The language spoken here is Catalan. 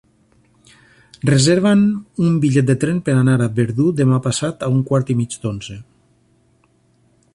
Reserva'm un bitllet de tren per anar a Verdú demà passat a un quart i mig d'onze.